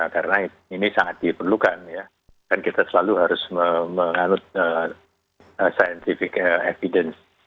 karena ini sangat diperlukan dan kita selalu harus menganut scientific evidence